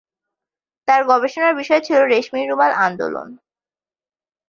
তার গবেষণার বিষয় ছিল রেশমি রুমাল আন্দোলন।